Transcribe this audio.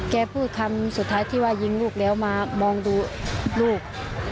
พูดคำสุดท้ายที่ว่ายิงลูกแล้วมามองดูลูก